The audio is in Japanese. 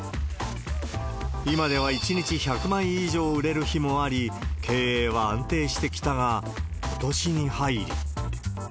今では１日１００枚以上売れる日もあり、経営は安定してきたが、ことしに入り。